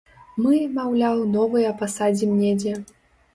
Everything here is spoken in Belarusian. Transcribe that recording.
Мы, маўляў, новыя пасадзім недзе.